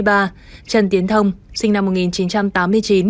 trần tiến thông sinh năm một nghìn chín trăm tám mươi chín